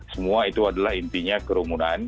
semua itu adalah intinya kerumunan